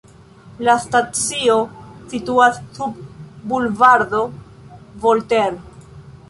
La stacio situas sub Bulvardo Voltaire.